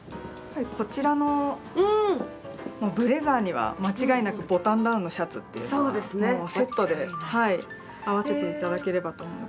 こちらのブレザーには間違いなくボタンダウンのシャツっていうのがもうセットではい合わせていただければと。